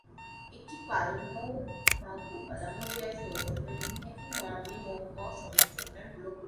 এটি পালামৌ বিভাগ ও পালামৌ জেলার সদর দফতর এবং একই নামে মহকুমা ও সমষ্টি উন্নয়ন ব্লক রয়েছে।